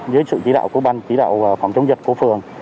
dưới sự chỉ đạo của ban chỉ đạo phòng chống dịch của phường